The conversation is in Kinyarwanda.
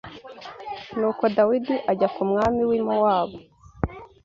Nuko Dawidi ajya ku mwami w’i Mowabu